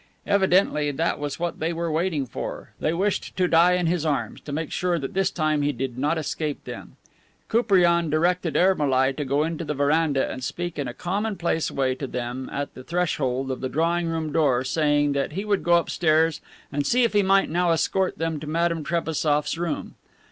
Evidently that was what they were waiting for. They wished to die in his arms, to make sure that this time he did not escape them! Koupriane directed Ermolai to go into the veranda and speak in a commonplace way to them at the threshold of the drawing room door, saying that he would go upstairs and see if he might now escort them to Madame Trebassof's room.